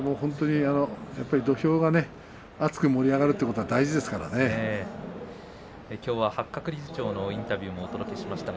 やっぱり土俵が熱く盛り上がるということはきょうは八角理事長のインタビューもお届けしました。